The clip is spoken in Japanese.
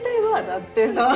だってさ。